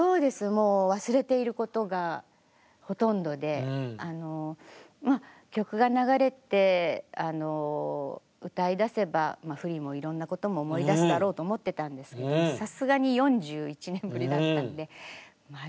もう忘れていることがほとんどで曲が流れて歌いだせば振りもいろんなことも思い出すだろうと思ってたんですけどハハハハハハ。